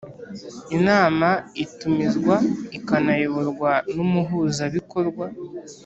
Inama itumizwa ikanayoborwa n Umuhuzabikorwa